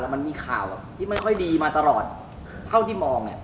แล้วมันมีข่าวแบบที่ไม่ค่อยดีมาตลอดเท่าที่มอง